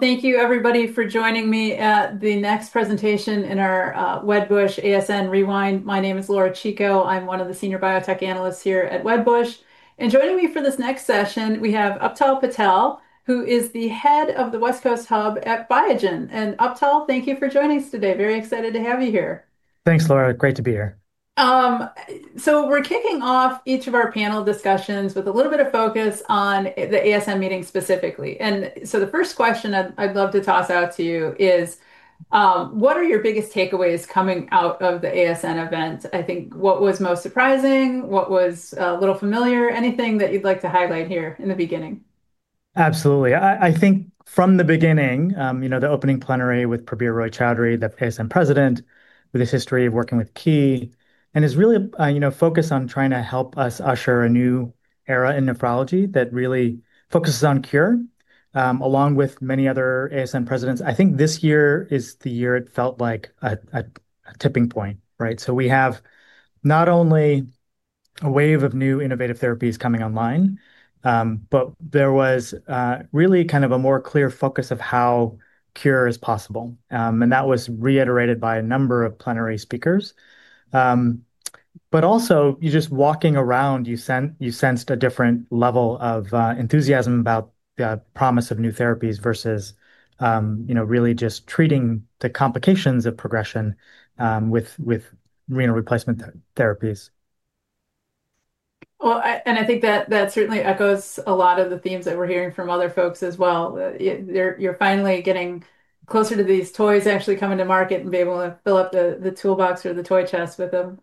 Thank you, everybody, for joining me at the next presentation in our Wedbush ASN Rewind. My name is Laura Chico. I'm one of the Senior Biotech Analysts here at Wedbush. Joining me for this next session, we have Uday Patel, who is the Head of the West Coast Hub at Biogen. Uday, thank you for joining us today. Very excited to have you here. Thanks, Laura. Great to be here. We're kicking off each of our panel discussions with a little bit of focus on the ASN meeting specifically. The first question I'd love to toss out to you is, what are your biggest takeaways coming out of the ASN event? I think, what was most surprising? What was a little familiar? Anything that you'd like to highlight here in the beginning? Absolutely. I think from the beginning, you know, the opening plenary with Prabir Roy-Chaudhury, the ASN President, with his history of working with Key, and his really focus on trying to help us usher a new era in nephrology that really focuses on cure, along with many other ASN Presidents. I think this year is the year it felt like a tipping point, right? We have not only a wave of new innovative therapies coming online, but there was really kind of a more clear focus of how cure is possible. That was reiterated by a number of plenary speakers. Also, you just walking around, you sensed a different level of enthusiasm about the promise of new therapies versus really just treating the complications of progression with renal replacement therapies. I think that certainly echoes a lot of the themes that we're hearing from other folks as well. You're finally getting closer to these toys actually coming to market and be able to fill up the toolbox or the toy chest with them.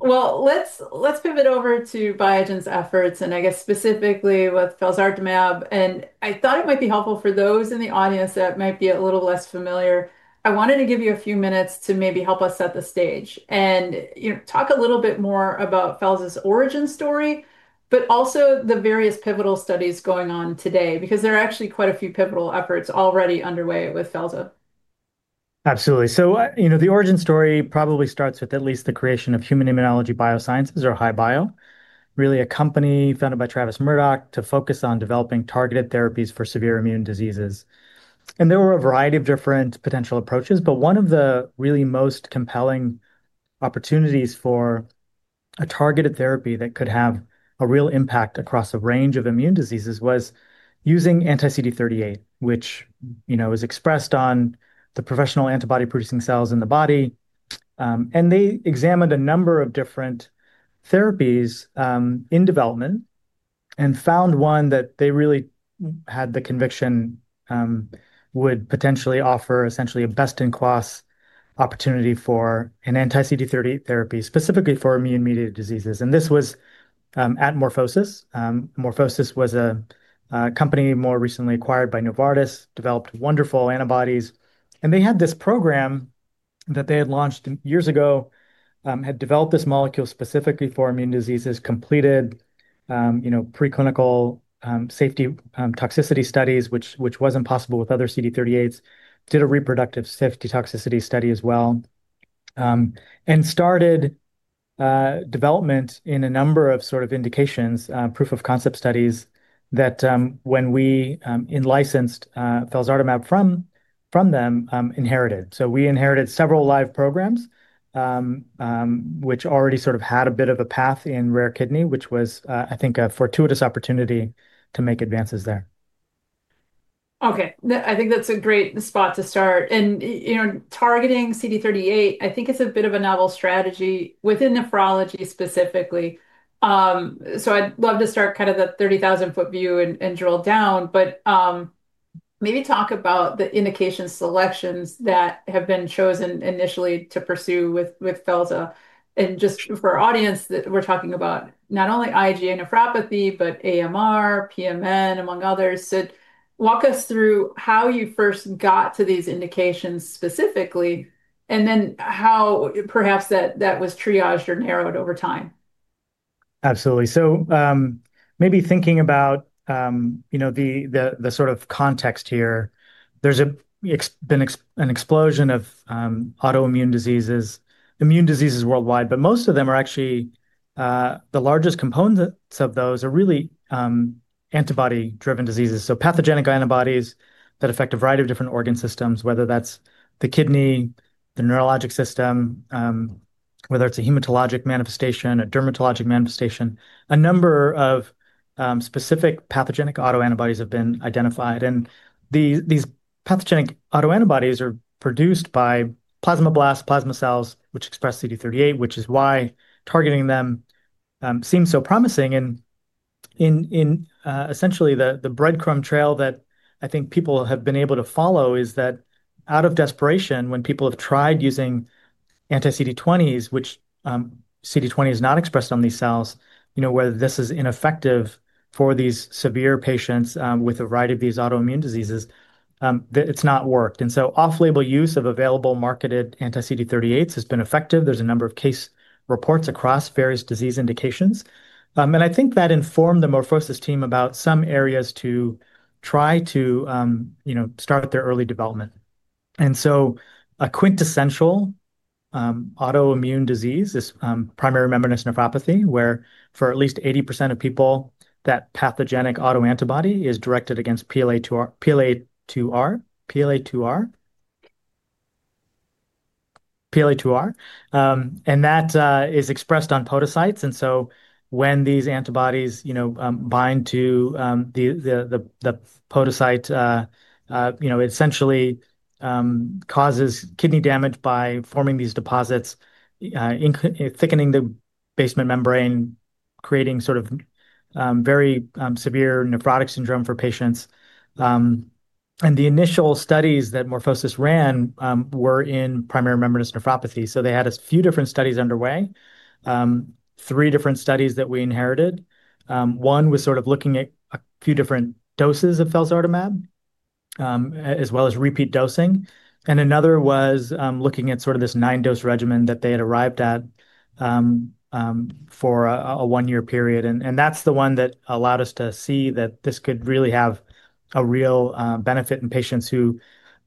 Let's pivot over to Biogen's efforts and, I guess, specifically with Felzartamab. I thought it might be helpful for those in the audience that might be a little less familiar. I wanted to give you a few minutes to maybe help us set the stage and talk a little bit more about Felza's origin story, but also the various pivotal studies going on today, because there are actually quite a few pivotal efforts already underway with Felza. Absolutely. The origin story probably starts with at least the creation of Human Immunology Biosciences, or HiBio, really a company founded by Travis Murdoch to focus on developing targeted therapies for severe immune diseases. There were a variety of different potential approaches, but one of the really most compelling opportunities for a targeted therapy that could have a real impact across a range of immune diseases was using anti-CD38, which is expressed on the professional antibody-producing cells in the body. They examined a number of different therapies in development and found one that they really had the conviction would potentially offer essentially a best-in-class opportunity for an anti-CD38 therapy, specifically for immune-mediated diseases. This was at MorphoSys. MorphoSys was a company more recently acquired by Novartis, developed wonderful antibodies. They had this program that they had launched years ago, had developed this molecule specifically for immune diseases, completed preclinical safety toxicity studies, which was not possible with other CD38s, did a reproductive safety toxicity study as well, and started development in a number of sort of indications, proof-of-concept studies that when we licensed Felzartamab from them, inherited. We inherited several live programs, which already sort of had a bit of a path in rare kidney, which was, I think, a fortuitous opportunity to make advances there. Okay. I think that's a great spot to start. Targeting CD38, I think it's a bit of a novel strategy within nephrology specifically. I'd love to start kind of the 30,000-foot view and drill down, but maybe talk about the indication selections that have been chosen initially to pursue with Felza. Just for our audience, we're talking about not only IgA nephropathy, but AMR, PMN, among others. Walk us through how you first got to these indications specifically, and then how perhaps that was triaged or narrowed over time. Absolutely. Maybe thinking about the sort of context here, there's been an explosion of autoimmune diseases, immune diseases worldwide, but most of them are actually the largest components of those are really antibody-driven diseases. Pathogenic antibodies that affect a variety of different organ systems, whether that's the kidney, the neurologic system, whether it's a hematologic manifestation, a dermatologic manifestation. A number of specific pathogenic autoantibodies have been identified. These pathogenic autoantibodies are produced by plasmablasts, plasma cells, which express CD38, which is why targeting them seems so promising. Essentially, the breadcrumb trail that I think people have been able to follow is that out of desperation, when people have tried using anti-CD20s, which CD20 is not expressed on these cells, whether this is ineffective for these severe patients with a variety of these autoimmune diseases, it's not worked. Off-label use of available marketed anti-CD38s has been effective. There's a number of case reports across various disease indications. I think that informed the MorphoSys team about some areas to try to start their early development. A quintessential autoimmune disease is primary membranous nephropathy, where for at least 80% of people, that pathogenic autoantibody is directed against PLA2R. PLA2R is expressed on podocytes. When these antibodies bind to the podocyte, it essentially causes kidney damage by forming these deposits, thickening the basement membrane, creating sort of very severe nephrotic syndrome for patients. The initial studies that MorphoSys ran were in primary membranous nephropathy. They had a few different studies underway, three different studies that we inherited. One was looking at a few different doses of Felzartamab, as well as repeat dosing. Another was looking at sort of this nine-dose regimen that they had arrived at for a one-year period. That is the one that allowed us to see that this could really have a real benefit in patients who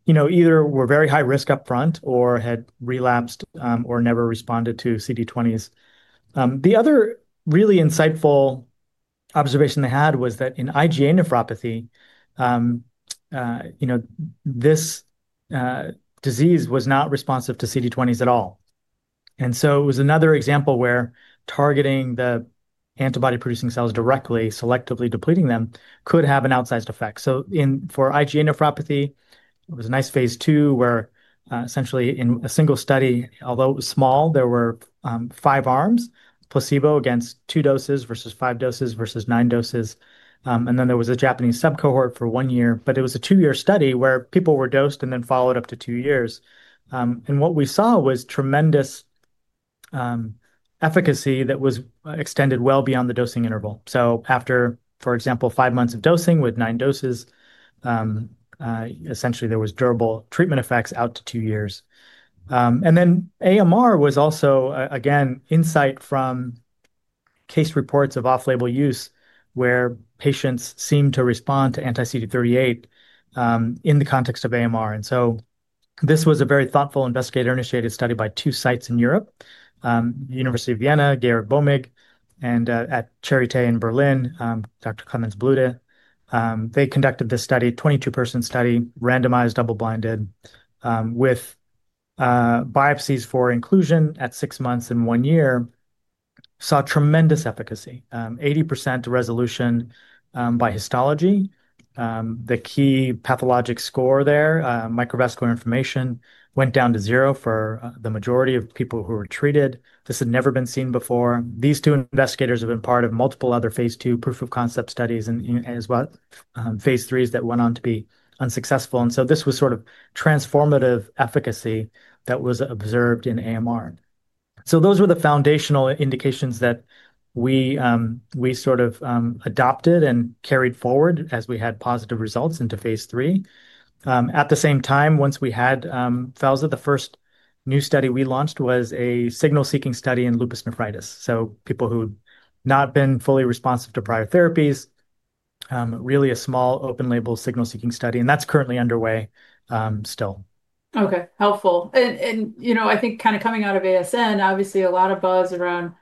either were very high risk upfront or had relapsed or never responded to CD20s. The other really insightful observation they had was that in IgA nephropathy, this disease was not responsive to CD20s at all. It was another example where targeting the antibody-producing cells directly, selectively depleting them, could have an outsized effect. For IgA nephropathy, it was a nice phase II where essentially in a single study, although it was small, there were five arms, placebo against two doses versus five doses versus nine doses. There was a Japanese subcohort for one year. It was a two-year study where people were dosed and then followed up to two years. What we saw was tremendous efficacy that was extended well beyond the dosing interval. For example, after five months of dosing with nine doses, essentially there was durable treatment effects out to two years. AMR was also, again, insight from case reports of off-label use where patients seemed to respond to anti-CD38 in the context of AMR. This was a very thoughtful investigator-initiated study by two sites in Europe, University of Vienna, Georg Böhmig, and at Charité in Berlin, Dr. Klemens Budde. They conducted this study, 22-person study, randomized, double-blinded, with biopsies for inclusion at six months and one year, saw tremendous efficacy, 80% resolution by histology. The key pathologic score there, microvascular inflammation, went down to zero for the majority of people who were treated. This had never been seen before. These two investigators have been part of multiple other phase II proof-of-concept studies as well as phase III that went on to be unsuccessful. This was sort of transformative efficacy that was observed in AMR. Those were the foundational indications that we sort of adopted and carried forward as we had positive results into phase III. At the same time, once we had Felza, the first new study we launched was a signal-seeking study in lupus nephritis. People who had not been fully responsive to prior therapies, really a small open-label signal-seeking study. That is currently underway still. Okay. Helpful. I think kind of coming out of ASN, obviously a lot of buzz around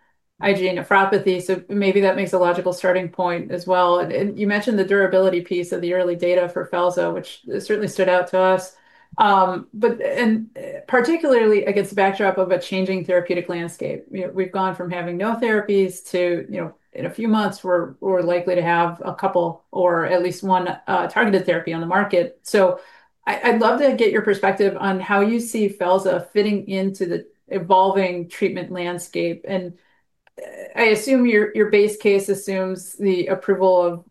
IgA nephropathy. Maybe that makes a logical starting point as well. You mentioned the durability piece of the early data for Felza, which certainly stood out to us, particularly against the backdrop of a changing therapeutic landscape. We've gone from having no therapies to, in a few months, we're likely to have a couple or at least one targeted therapy on the market. I'd love to get your perspective on how you see Felza fitting into the evolving treatment landscape. I assume your base case assumes the approval of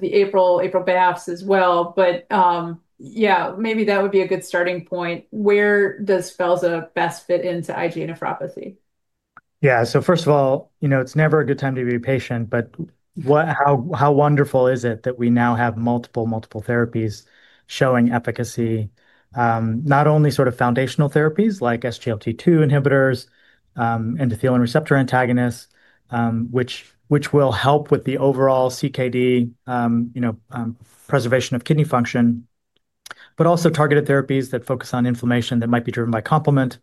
the April biopsy as well. Maybe that would be a good starting point. Where does Felza best fit into IgA nephropathy? Yeah. So first of all, it's never a good time to be patient, but how wonderful is it that we now have multiple, multiple therapies showing efficacy, not only sort of foundational therapies like SGLT-2 inhibitors, endothelin receptor antagonists, which will help with the overall CKD preservation of kidney function, but also targeted therapies that focus on inflammation that might be driven by complement.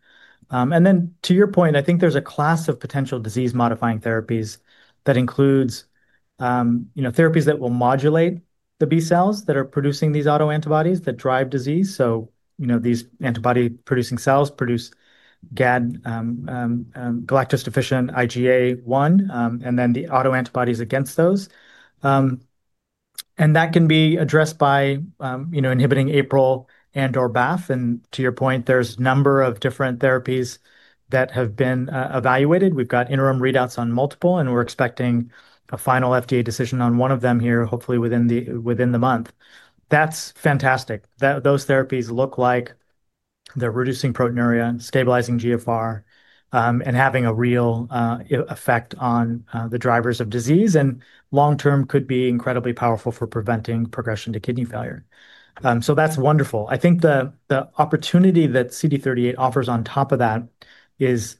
To your point, I think there's a class of potential disease-modifying therapies that includes therapies that will modulate the B cells that are producing these autoantibodies that drive disease. These antibody-producing cells produce Gd-IgA1, galactose-deficient IgA1, and then the autoantibodies against those. That can be addressed by inhibiting APRIL and/or BAFF. To your point, there's a number of different therapies that have been evaluated. We've got interim readouts on multiple, and we're expecting a final FDA decision on one of them here, hopefully within the month. That's fantastic. Those therapies look like they're reducing proteinuria, stabilizing GFR, and having a real effect on the drivers of disease. Long-term could be incredibly powerful for preventing progression to kidney failure. That's wonderful. I think the opportunity that CD38 offers on top of that is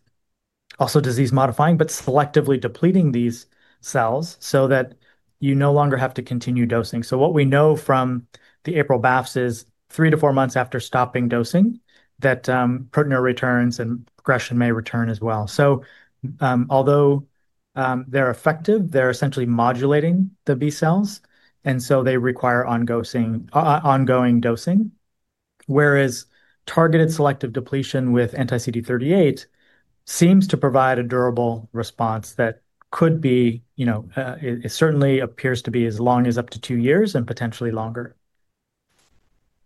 also disease-modifying, but selectively depleting these cells so that you no longer have to continue dosing. What we know from the APRIL/BAFF inhibitors is three to four months after stopping dosing that proteinuria returns and progression may return as well. Although they're effective, they're essentially modulating the B cells, and so they require ongoing dosing, whereas targeted selective depletion with anti-CD38 seems to provide a durable response that certainly appears to be as long as up to two years and potentially longer.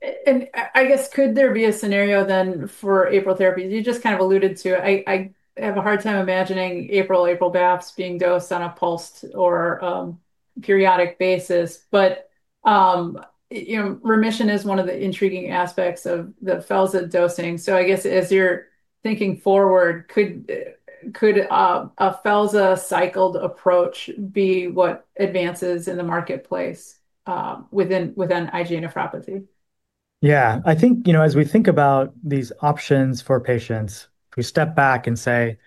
I guess, could there be a scenario then for APRIL therapies? You just kind of alluded to it. I have a hard time imagining APRIL, APRIL BAFFs being dosed on a pulsed or periodic basis, but remission is one of the intriguing aspects of the Felza dosing. I guess as you're thinking forward, could a Felza-cycled approach be what advances in the marketplace within IgA nephropathy? Yeah. I think as we think about these options for patients, we step back and say,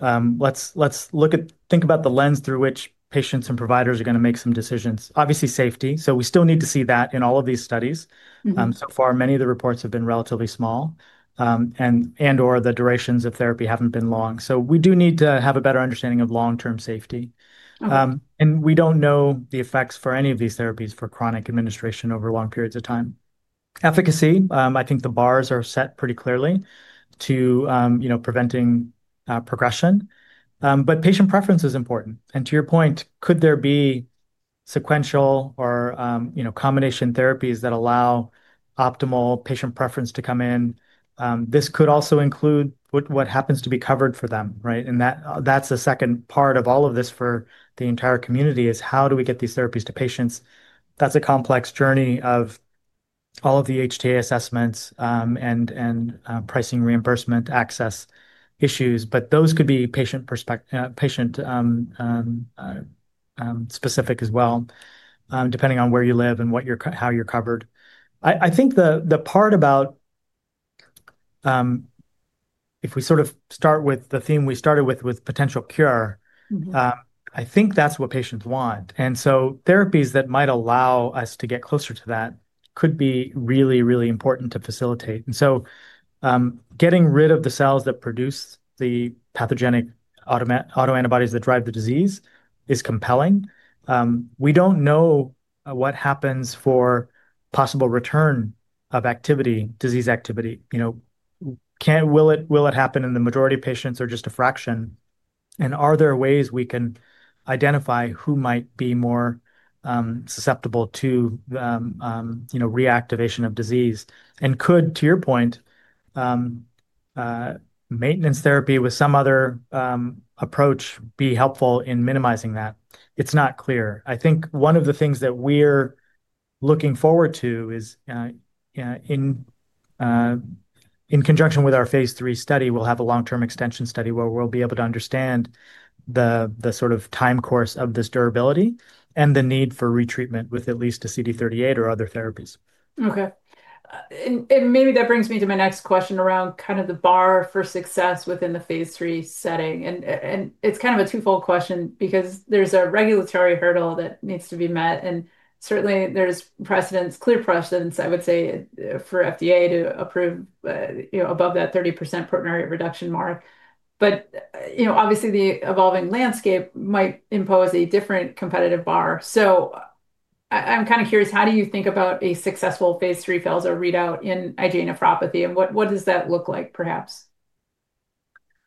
let's think about the lens through which patients and providers are going to make some decisions. Obviously, safety. We still need to see that in all of these studies. So far, many of the reports have been relatively small and/or the durations of therapy have not been long. We do need to have a better understanding of long-term safety. We do not know the effects for any of these therapies for chronic administration over long periods of time. Efficacy, I think the bars are set pretty clearly to preventing progression. Patient preference is important. To your point, could there be sequential or combination therapies that allow optimal patient preference to come in? This could also include what happens to be covered for them, right? That is the second part of all of this for the entire community: how do we get these therapies to patients? That is a complex journey of all of the HTA assessments and pricing reimbursement access issues. Those could be patient-specific as well, depending on where you live and how you are covered. I think the part about if we sort of start with the theme we started with, with potential cure, I think that is what patients want. Therapies that might allow us to get closer to that could be really, really important to facilitate. Getting rid of the cells that produce the pathogenic autoantibodies that drive the disease is compelling. We do not know what happens for possible return of disease activity. Will it happen in the majority of patients or just a fraction? Are there ways we can identify who might be more susceptible to reactivation of disease? Could, to your point, maintenance therapy with some other approach be helpful in minimizing that? It's not clear. I think one of the things that we're looking forward to is in conjunction with our phase III study, we'll have a long-term extension study where we'll be able to understand the sort of time course of this durability and the need for retreatment with at least a CD38 or other therapies. Okay. Maybe that brings me to my next question around kind of the bar for success within the phase III setting. It's kind of a twofold question because there's a regulatory hurdle that needs to be met. Certainly, there's clear precedence, I would say, for FDA to approve above that 30% proteinuria reduction mark. Obviously, the evolving landscape might impose a different competitive bar. I'm kind of curious, how do you think about a successful phase III Felza readout in IgA nephropathy? What does that look like, perhaps?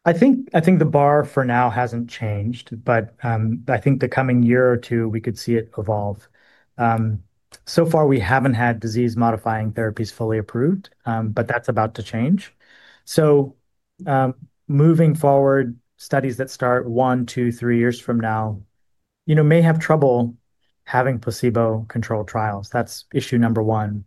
I think the bar for now hasn't changed, but I think the coming year or two, we could see it evolve. So far, we haven't had disease-modifying therapies fully approved, but that's about to change. Moving forward, studies that start one, two, three years from now may have trouble having placebo-controlled trials. That's issue number one.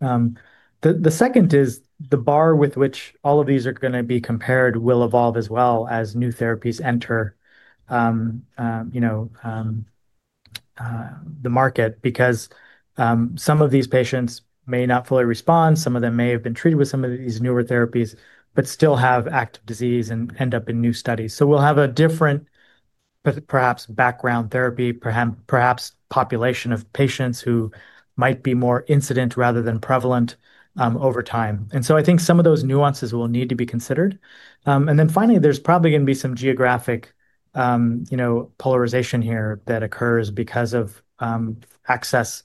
The second is the bar with which all of these are going to be compared will evolve as well as new therapies enter the market because some of these patients may not fully respond. Some of them may have been treated with some of these newer therapies, but still have active disease and end up in new studies. We'll have a different, perhaps, background therapy, perhaps population of patients who might be more incident rather than prevalent over time. I think some of those nuances will need to be considered. There is probably going to be some geographic polarization here that occurs because of access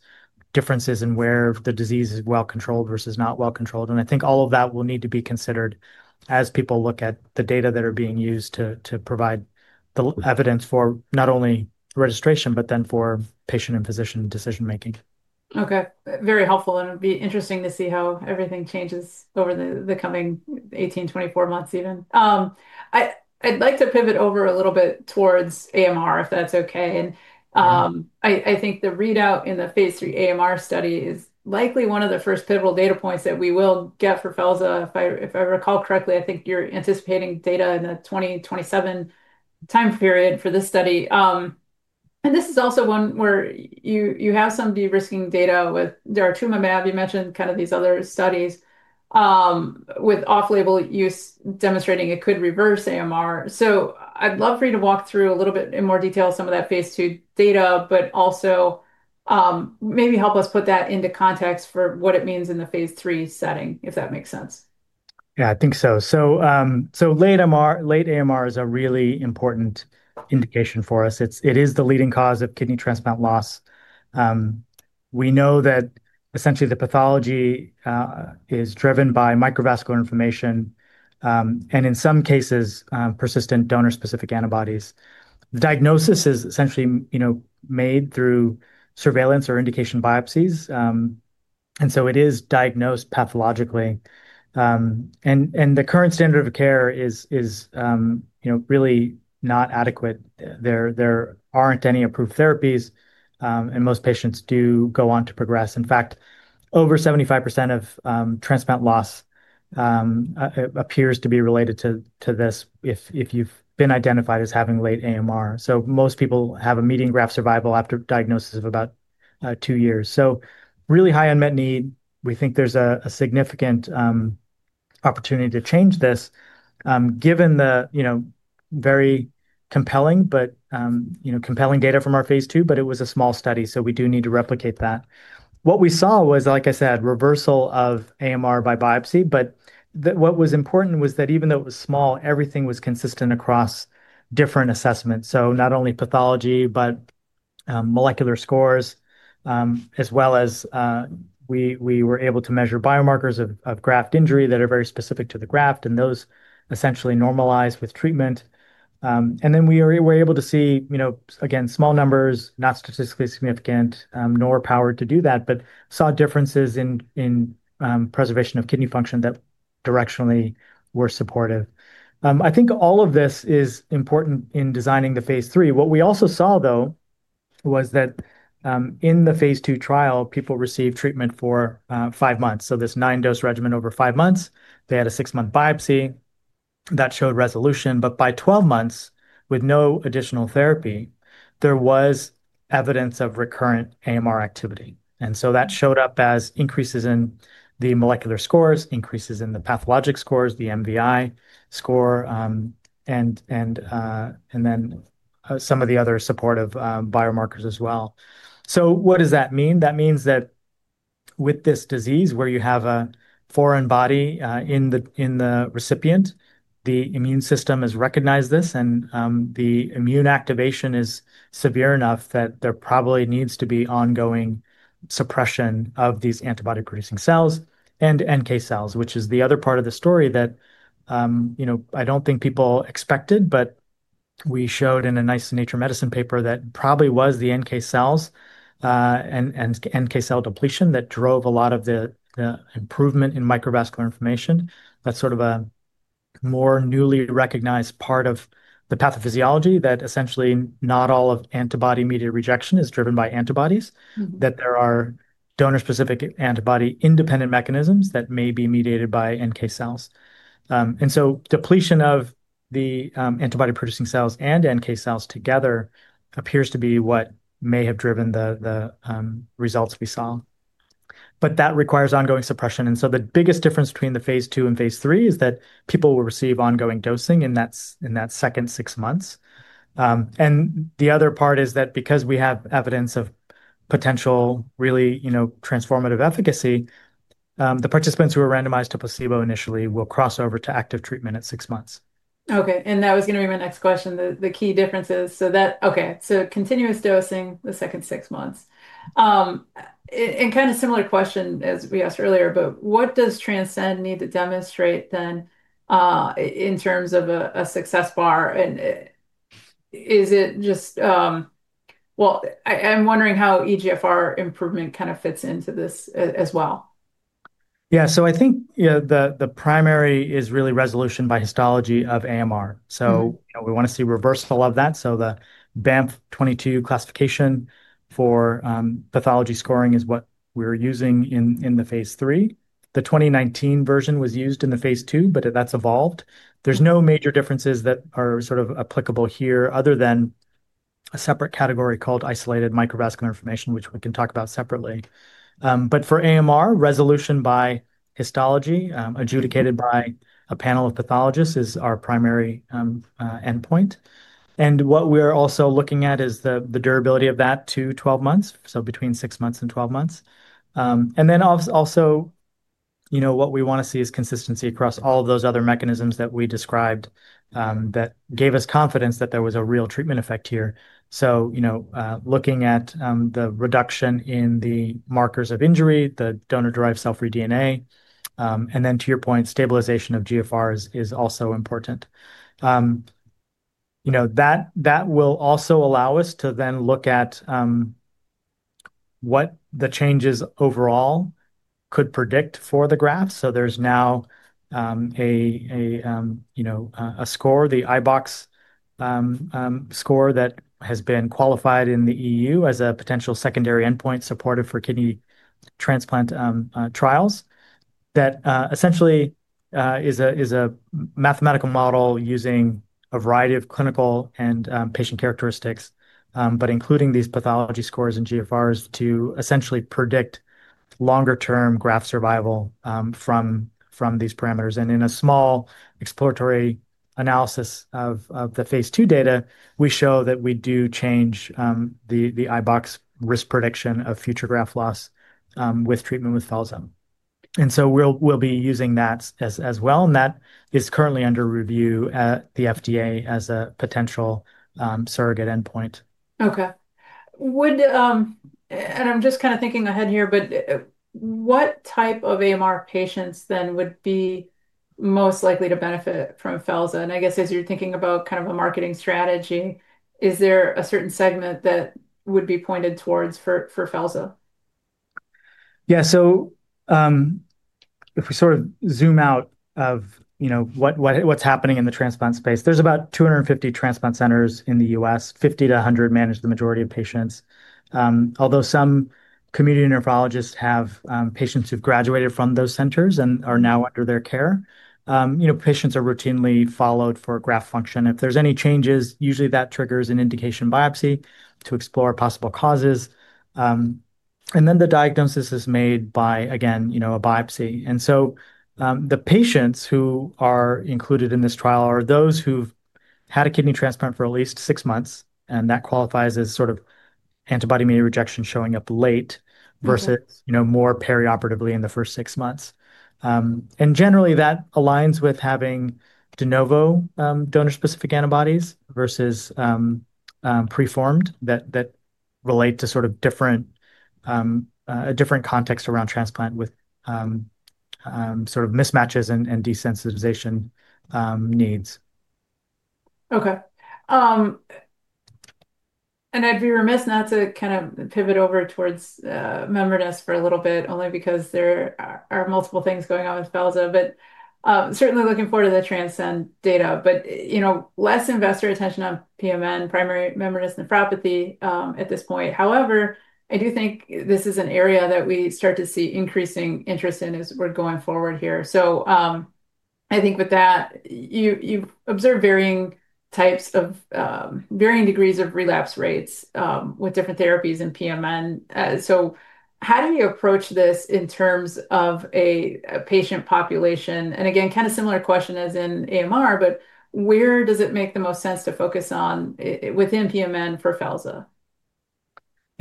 differences in where the disease is well-controlled versus not well-controlled. I think all of that will need to be considered as people look at the data that are being used to provide the evidence for not only registration, but then for patient and physician decision-making. Okay. Very helpful. It would be interesting to see how everything changes over the coming 18, 24 months even. I'd like to pivot over a little bit towards AMR, if that's okay. I think the readout in the phase III AMR study is likely one of the first pivotal data points that we will get for Felza. If I recall correctly, I think you're anticipating data in the 2027 time period for this study. This is also one where you have some de-risking data with Daratumumab. You mentioned kind of these other studies with off-label use demonstrating it could reverse AMR. I'd love for you to walk through a little bit in more detail some of that phase II data, but also maybe help us put that into context for what it means in the phase III setting, if that makes sense. Yeah, I think so. Late AMR is a really important indication for us. It is the leading cause of kidney transplant loss. We know that essentially the pathology is driven by microvascular inflammation and in some cases, persistent donor-specific antibodies. The diagnosis is essentially made through surveillance or indication biopsies. It is diagnosed pathologically. The current standard of care is really not adequate. There are not any approved therapies, and most patients do go on to progress. In fact, over 75% of transplant loss appears to be related to this if you have been identified as having late AMR. Most people have a median graft survival after diagnosis of about two years. Really high unmet need. We think there is a significant opportunity to change this given the very compelling data from our phase II, but it was a small study. We do need to replicate that. What we saw was, like I said, reversal of AMR by biopsy. What was important was that even though it was small, everything was consistent across different assessments. Not only pathology, but molecular scores, as well as we were able to measure biomarkers of graft injury that are very specific to the graft, and those essentially normalized with treatment. We were able to see, again, small numbers, not statistically significant, nor powered to do that, but saw differences in preservation of kidney function that directionally were supportive. I think all of this is important in designing the phase III. What we also saw, though, was that in the phase II trial, people received treatment for five months. This nine-dose regimen over five months, they had a six-month biopsy that showed resolution. By 12 months, with no additional therapy, there was evidence of recurrent AMR activity. That showed up as increases in the molecular scores, increases in the pathologic scores, the MVI score, and then some of the other supportive biomarkers as well. What does that mean? That means that with this disease where you have a foreign body in the recipient, the immune system has recognized this, and the immune activation is severe enough that there probably needs to be ongoing suppression of these antibody-producing cells and NK cells, which is the other part of the story that I do not think people expected, but we showed in a nice Nature Medicine paper that it probably was the NK cells and NK cell depletion that drove a lot of the improvement in microvascular inflammation. That's sort of a more newly recognized part of the pathophysiology that essentially not all of antibody-mediated rejection is driven by antibodies, that there are donor-specific antibody-independent mechanisms that may be mediated by NK cells. Depletion of the antibody-producing cells and NK cells together appears to be what may have driven the results we saw. That requires ongoing suppression. The biggest difference between the phase II and phase III is that people will receive ongoing dosing in that second six months. The other part is that because we have evidence of potential really transformative efficacy, the participants who are randomized to placebo initially will cross over to active treatment at six months. Okay. That was going to be my next question. The key differences. Continuous dosing the second six months. Kind of similar question as we asked earlier, but what does Transcend need to demonstrate then in terms of a success bar? Is it just, I am wondering how eGFR improvement kind of fits into this as well. Yeah. So I think the primary is really resolution by histology of AMR. We want to see reversal of that. The BAMP-22 classification for pathology scoring is what we're using in the phase III. The 2019 version was used in the phase II, but that's evolved. There are no major differences that are sort of applicable here other than a separate category called isolated microvascular inflammation, which we can talk about separately. For AMR, resolution by histology adjudicated by a panel of pathologists is our primary endpoint. What we're also looking at is the durability of that to 12 months, so between 6 months and 12 months. Also, what we want to see is consistency across all of those other mechanisms that we described that gave us confidence that there was a real treatment effect here. Looking at the reduction in the markers of injury, the donor-derived cell-free DNA, and then to your point, stabilization of GFRs is also important. That will also allow us to then look at what the changes overall could predict for the graft. There is now a score, the IBOX score, that has been qualified in the EU as a potential secondary endpoint supportive for kidney transplant trials that essentially is a mathematical model using a variety of clinical and patient characteristics, but including these pathology scores and GFRs to essentially predict longer-term graft survival from these parameters. In a small exploratory analysis of the phase II data, we show that we do change the IBOX risk prediction of future graft loss with treatment with Felza. We will be using that as well. That is currently under review at the FDA as a potential surrogate endpoint. Okay. I'm just kind of thinking ahead here, but what type of AMR patients then would be most likely to benefit from Felza? I guess as you're thinking about kind of a marketing strategy, is there a certain segment that would be pointed towards for Felza? Yeah. If we sort of zoom out of what's happening in the transplant space, there's about 250 transplant centers in the US. 50 to 100 manage the majority of patients. Although some community nephrologists have patients who've graduated from those centers and are now under their care, patients are routinely followed for graft function. If there's any changes, usually that triggers an indication biopsy to explore possible causes. The diagnosis is made by, again, a biopsy. The patients who are included in this trial are those who've had a kidney transplant for at least six months, and that qualifies as sort of antibody-mediated rejection showing up late versus more perioperatively in the first six months. Generally, that aligns with having De Novo donor-specific antibodies versus preformed that relate to sort of a different context around transplant with mismatches and desensitization needs. Okay. I'd be remiss not to kind of pivot over towards membranous for a little bit only because there are multiple things going on with Felza, but certainly looking forward to the Transcend data, but less investor attention on PMN, Primary membranous nephropathy at this point. However, I do think this is an area that we start to see increasing interest in as we're going forward here. I think with that, you've observed varying types of varying degrees of relapse rates with different therapies in PMN. How do you approach this in terms of a patient population? Again, kind of similar question as in AMR, but where does it make the most sense to focus on within PMN for Felza?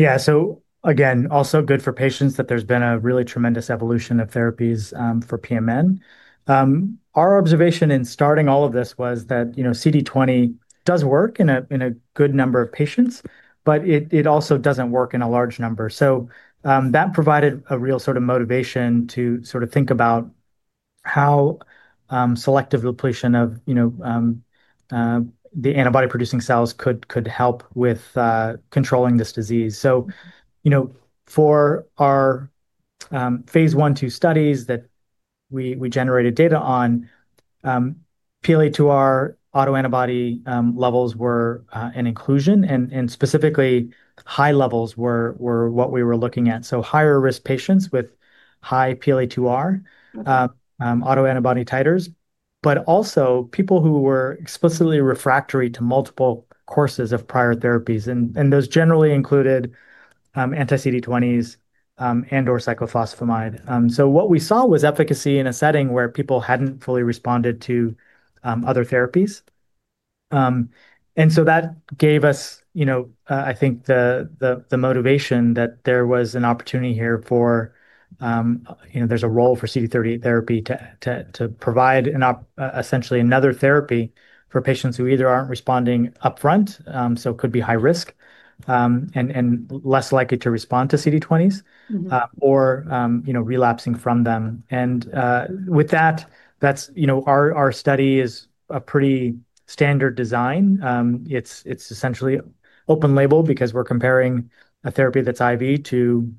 Yeah. So again, also good for patients that there's been a really tremendous evolution of therapies for PMN. Our observation in starting all of this was that CD20 does work in a good number of patients, but it also doesn't work in a large number. That provided a real sort of motivation to sort of think about how selective depletion of the antibody-producing cells could help with controlling this disease. For our phase I two studies that we generated data on, PLA2R autoantibody levels were an inclusion, and specifically high levels were what we were looking at. Higher risk patients with high PLA2R autoantibody titers, but also people who were explicitly refractory to multiple courses of prior therapies. Those generally included anti-CD20s and/or cyclophosphamide. What we saw was efficacy in a setting where people hadn't fully responded to other therapies. That gave us, I think, the motivation that there was an opportunity here for there's a role for CD38 therapy to provide essentially another therapy for patients who either aren't responding upfront, so could be high risk and less likely to respond to CD20s or relapsing from them. With that, our study is a pretty standard design. It's essentially open label because we're comparing a therapy that's IV to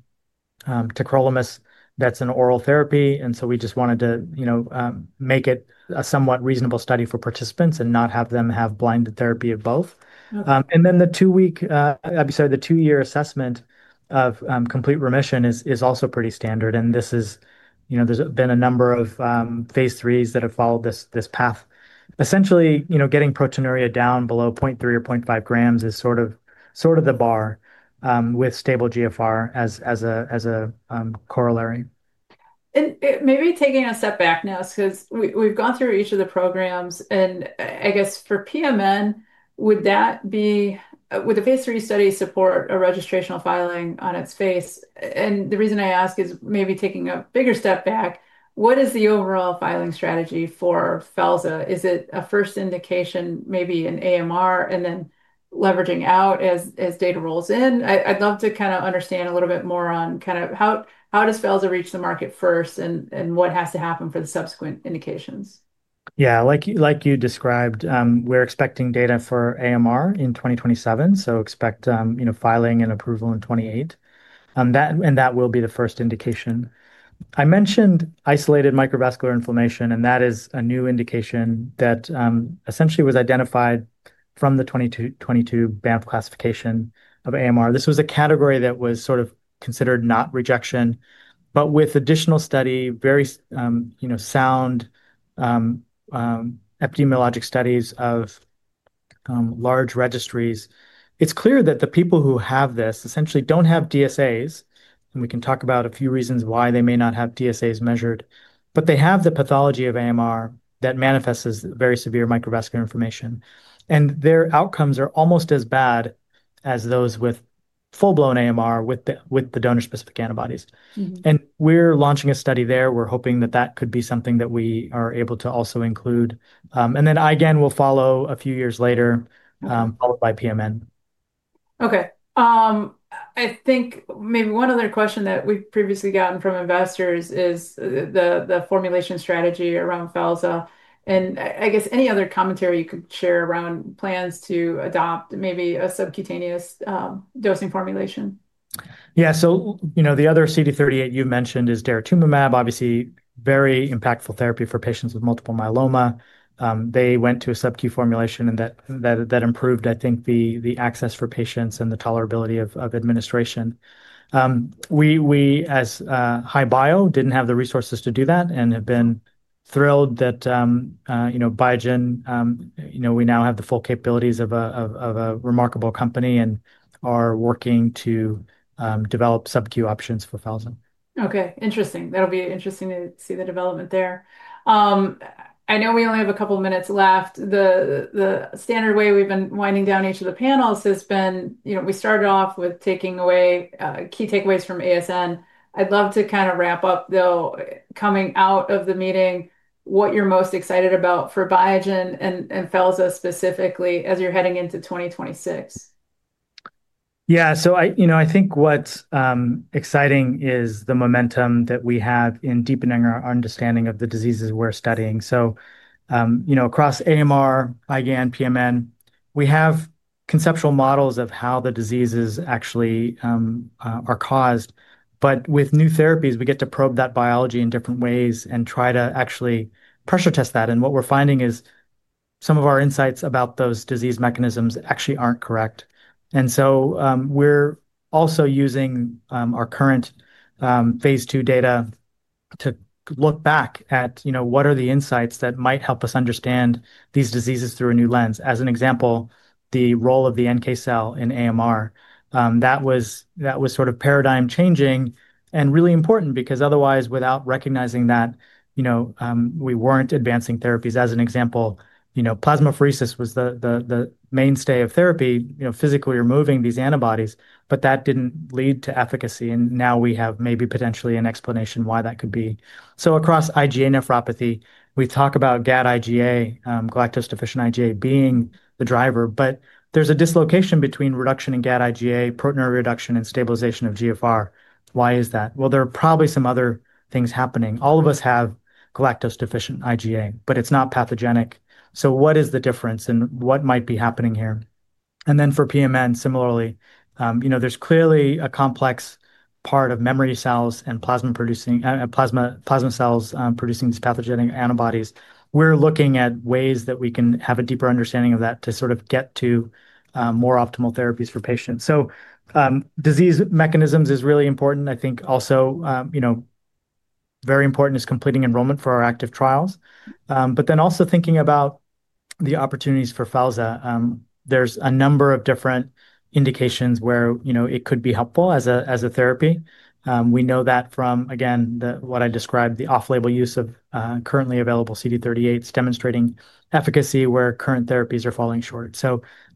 tacrolimus that's an oral therapy. We just wanted to make it a somewhat reasonable study for participants and not have them have blinded therapy of both. The two-year assessment of complete remission is also pretty standard. There have been a number of phase III that have followed this path. Essentially, getting proteinuria down below 0.3, 0.5 grams is sort of the bar with stable GFR as a corollary. Maybe taking a step back now because we've gone through each of the programs. I guess for PMN, would the phase III study support a registrational filing on its face? The reason I ask is maybe taking a bigger step back, what is the overall filing strategy for Felza? Is it a first indication, maybe an AMR, and then leveraging out as data rolls in? I'd love to kind of understand a little bit more on kind of how does Felza reach the market first and what has to happen for the subsequent indications? Yeah. Like you described, we're expecting data for AMR in 2027. Expect filing and approval in 2028. That will be the first indication. I mentioned isolated microvascular inflammation, and that is a new indication that essentially was identified from the 2022 Banff classification of AMR. This was a category that was sort of considered not rejection, but with additional study, very sound epidemiologic studies of large registries, it's clear that the people who have this essentially do not have DSAs. We can talk about a few reasons why they may not have DSAs measured, but they have the pathology of AMR that manifests as very severe microvascular inflammation. Their outcomes are almost as bad as those with full-blown AMR with the donor-specific antibodies. We're launching a study there. We're hoping that that could be something that we are able to also include. I again will follow a few years later followed by PMN. Okay. I think maybe one other question that we've previously gotten from investors is the formulation strategy around Felza. I guess any other commentary you could share around plans to adopt maybe a subcutaneous dosing formulation? Yeah. So the other CD38 you mentioned is daratumumab, obviously very impactful therapy for patients with multiple myeloma. They went to a subq formulation, and that improved, I think, the access for patients and the tolerability of administration. We, as HiBio, didn't have the resources to do that and have been thrilled that Biogen, we now have the full capabilities of a remarkable company and are working to develop subq options for Felza. Okay. Interesting. That'll be interesting to see the development there. I know we only have a couple of minutes left. The standard way we've been winding down each of the panels has been we started off with taking away key takeaways from ASN. I'd love to kind of wrap up, though, coming out of the meeting, what you're most excited about for Biogen and Felza specifically as you're heading into 2026. Yeah. I think what's exciting is the momentum that we have in deepening our understanding of the diseases we're studying. Across AMR, IgA, PMN, we have conceptual models of how the diseases actually are caused. With new therapies, we get to probe that biology in different ways and try to actually pressure test that. What we're finding is some of our insights about those disease mechanisms actually aren't correct. We're also using our current phase II data to look back at what are the insights that might help us understand these diseases through a new lens. As an example, the role of the NK cell in AMR. That was sort of paradigm-changing and really important because otherwise, without recognizing that, we weren't advancing therapies. As an example, plasmapheresis was the mainstay of therapy, physically removing these antibodies, but that didn't lead to efficacy. Now we have maybe potentially an explanation why that could be. Across IgA nephropathy, we talk about Gd-IgA, galactose-deficient IgA being the driver, but there is a dislocation between reduction in Gd-IgA, proteinuria reduction, and stabilization of GFR. Why is that? There are probably some other things happening. All of us have galactose-deficient IgA, but it is not pathogenic. What is the difference and what might be happening here? For PMN, similarly, there is clearly a complex part of memory cells and plasma cells producing these pathogenic antibodies. We are looking at ways that we can have a deeper understanding of that to sort of get to more optimal therapies for patients. Disease mechanisms is really important. I think also very important is completing enrollment for our active trials. Also thinking about the opportunities for Felza. There's a number of different indications where it could be helpful as a therapy. We know that from, again, what I described, the off-label use of currently available CD38s demonstrating efficacy where current therapies are falling short.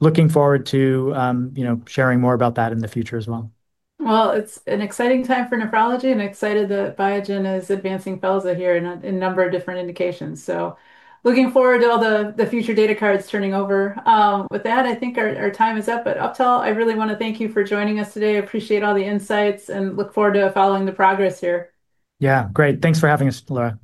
Looking forward to sharing more about that in the future as well. It is an exciting time for nephrology. I'm excited that Biogen is advancing Felza here in a number of different indications. Looking forward to all the future data cards turning over. With that, I think our time is up. Uptal, I really want to thank you for joining us today. I appreciate all the insights and look forward to following the progress here. Yeah. Great. Thanks for having us, Laura.